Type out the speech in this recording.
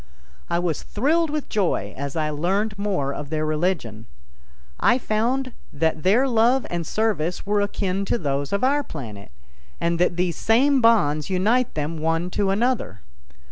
I was thrilled with joy as I learned more of their religion. I found that their love and service were akin to those of our planet, and that these same bonds unite them one to another.